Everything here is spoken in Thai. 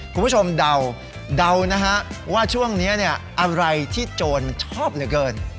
คุณผู้ชมเดาว่าช่วงนี้อะไรที่โจรชอบเหลือเกิน